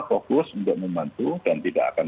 fokus untuk membantu dan tidak akan